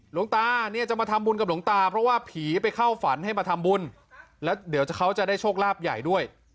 หลวงตาเนี่ยจะมาทำบุญกับหลวงตาเพราะว่าผีไปเข้าฝันให้มาทำบุญแล้วเดี๋ยวเขาจะได้โชคลาภใหญ่ด้วย